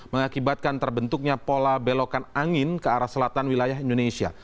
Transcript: mengakibatkan terbentuknya pola belokan angin ke arah selatan wilayah indonesia